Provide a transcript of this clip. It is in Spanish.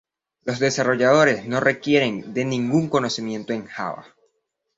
Los desarrolladores no requieren de ningún conocimiento en Java.